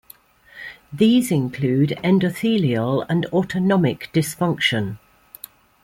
These include endothelial and autonomic dysfunction.